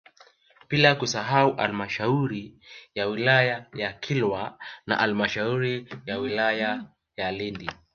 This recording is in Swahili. Bila kusahau Halmashauri ya wilaya ya Kilwa na halmashauri ya wilaya ya Lindi